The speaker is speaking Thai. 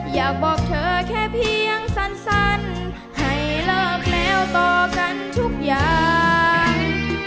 อยากบอกเธอแค่เพียงสั้นให้เลิกแล้วต่อกันทุกอย่าง